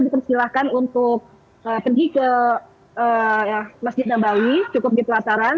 dipersilahkan untuk pergi ke masjid nabawi cukup di pelataran